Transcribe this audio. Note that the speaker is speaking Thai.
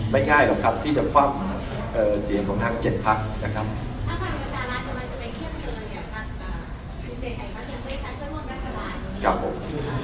ไม่ง่ายหรอกครับที่จะความเสียของนาง๗พักนะครับ